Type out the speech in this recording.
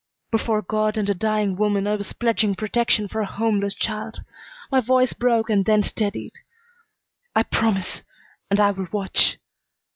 Before God and a dying woman I was pledging protection for a homeless child. My voice broke and then steadied. "I promise and I will watch."